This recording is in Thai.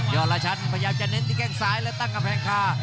ละชันพยายามจะเน้นที่แข้งซ้ายและตั้งกำแพงคา